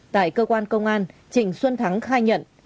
tại cơ quan công an trịnh xuân thắng khai nhận